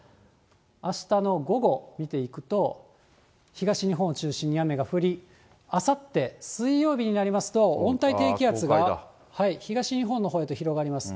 あしたの午後見ていくと、東日本を中心に雨が降り、あさって水曜日になりますと、温帯低気圧が東日本のほうへと広がります。